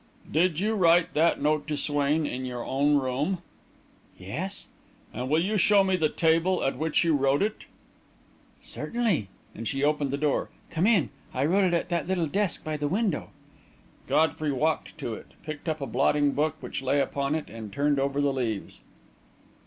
"Did you write that note to Swain in your own room?" "Yes." "And will you show me the table at which you wrote it?" "Certainly," and she opened the door. "Come in. I wrote it at that little desk by the window." Godfrey walked to it, picked up a blotting book which lay upon it, and turned over the leaves.